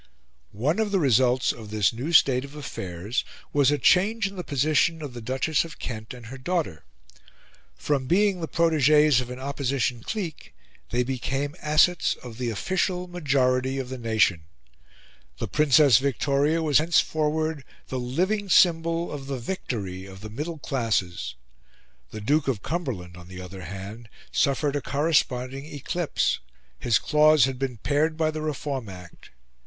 One of the results of this new state of affairs was a change in the position of the Duchess of Kent and her daughter. From being the protegees of an opposition clique, they became assets of the official majority of the nation. The Princess Victoria was henceforward the living symbol of the victory of the middle classes. The Duke of Cumberland, on the other hand, suffered a corresponding eclipse: his claws had been pared by the Reform Act.